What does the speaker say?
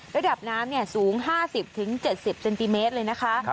ระดับน้ำสูง๕๐๗๐เซนติเมตรเลยนะคะ